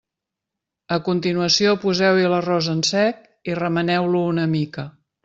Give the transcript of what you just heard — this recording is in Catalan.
A continuació poseu-hi l'arròs en sec i remeneu-lo una mica.